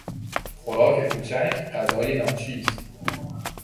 خوراک کوچک، غذای ناچیز